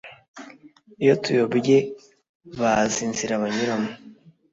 Iyo tuyobye bazi inzira banyuramo